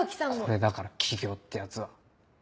これだから企業ってやつは。